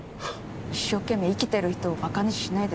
一生懸命生きてる人をバカにしないで。